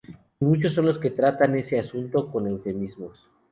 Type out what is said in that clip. Y muchos son los que tratan ese asunto con eufemismos.